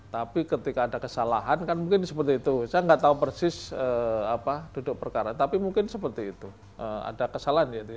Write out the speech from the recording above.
tapi ketika ada kesalahan kan mungkin seperti itu saya nggak tahu persis duduk perkara tapi mungkin seperti itu ada kesalahan gitu ya